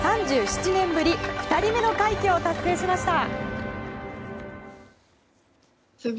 ３７年ぶり２人目の快挙を達成しました。